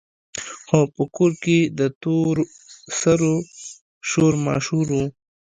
خو په کور کې د تور سرو شور ماشور وو.